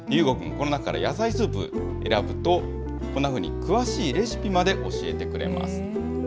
ごくん、この中から野菜スープ、選ぶと、こんなふうに、詳しいレシピまで教えてくれます。